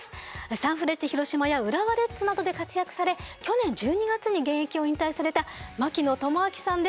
サンフレッチェ広島や浦和レッズなどで活躍され去年１２月に現役を引退された槙野智章さんです。